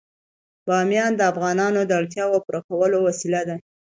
بامیان د افغانانو د اړتیاوو د پوره کولو وسیله ده.